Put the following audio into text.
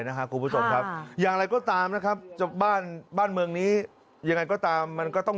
บัตรภูมิหายนั่นไปแจ้งที่นี่ก็แจ้ง